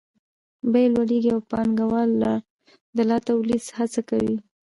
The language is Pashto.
بیې لوړېږي او پانګوال د لا تولید هڅه کوي